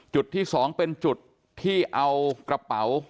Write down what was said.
จุดที่๒เป็นจุดที่เอากระเป๋า